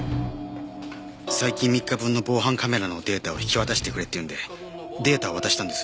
最近３日分の防犯カメラのデータを引き渡してくれって言うんでデータを渡したんです。